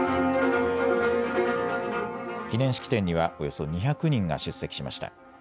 記念式典にはおよそ２００人が出席しました。